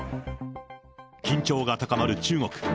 緊張が高まる中国。